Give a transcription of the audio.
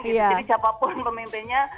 jadi siapapun pemimpinnya